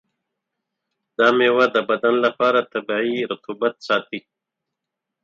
دا میوه د بدن لپاره طبیعي رطوبت ساتي.